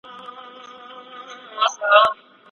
افغان سرتېرو څنګه د دښمن پر لیکو برید وکړ؟